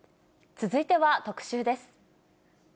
続いては特集です。